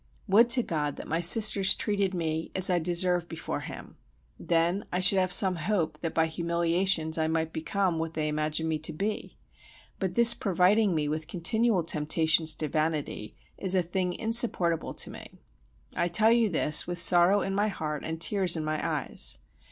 Would to God that my sisters treated me as I deserve before Him, then I should have some hope that by humiliations I might become what they imagine me to be: but this providing me with continual temptations to vanity is a thing insupportable to me. I tell you this with sorrow in my heart and tears in my eyes.